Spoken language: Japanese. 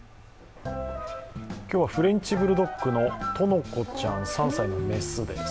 今日はフレンチブルドッグのとのこちゃん、３歳の雌です。